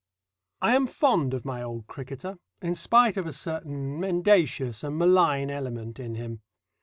I am fond of my old cricketer, in spite of a certain mendacious and malign element in him.